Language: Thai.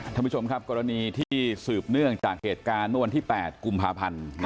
ท่านผู้ชมครับกรณีที่สืบเนื่องจากเหตุการณ์เมื่อวันที่๘กุมภาพันธ์